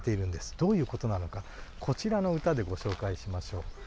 どういうことなのかこちらの歌でご紹介しましょう。